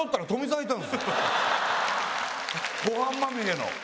ご飯まみれの。